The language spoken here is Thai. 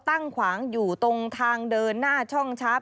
ตั้งขวางอยู่ตรงทางเดินหน้าช่องชาร์ฟ